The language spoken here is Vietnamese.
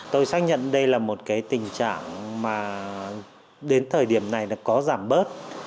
tôi xác nhận đây là một cái tình trạng mà đến thời điểm này có rằng